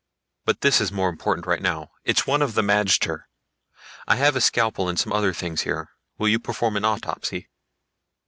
"But this is more important right now. It's one of the magter. I have a scalpel and some other things here will you perform an autopsy?"